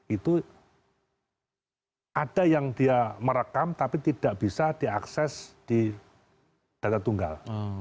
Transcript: itu ada yang dia merekam tapi tidak bisa diakses di data tunggal